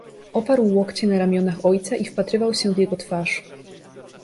Oparł łokcie na ramionach ojca i wpatrywał się w jego twarz.